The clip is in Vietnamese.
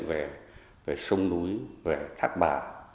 về sông núi về thác bà